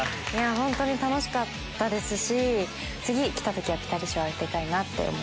本当に楽しかったですし次来た時はピタリ賞当てたいなって思います。